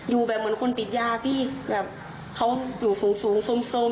อยู่แบบเหมือนคนติดยาพี่แบบเขาอยู่สูงสูงสม